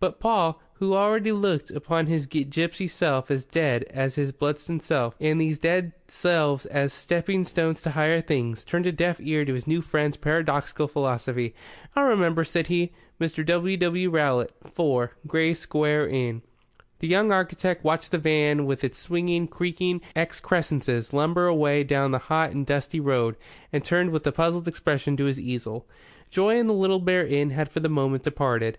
But Paul, who already looked upon his gipsy self as dead as his Bludston self, and these dead selves as stepping stones to higher things, turned a deaf ear to his new friend's paradoxical philosophy. "I'll remember," said he. "Mr. W. W. Rowlatt, 4, Gray's Inn Square." The young architect watched the van with its swinging, creaking excrescences lumber away down the hot and dusty road, and turned with a puzzled expression to his easel. Joy in the Little Bear Inn had for the moment departed.